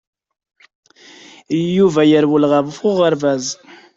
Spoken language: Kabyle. Yuba yerwel ɣef uɣerbaz.